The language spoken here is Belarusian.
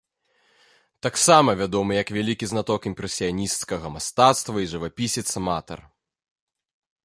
Таксама вядомы як вялікі знаток імпрэсіянісцкага мастацтва і жывапісец-аматар.